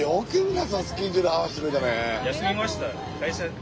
休みました。